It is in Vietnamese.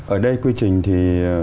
ở đây quy trình thì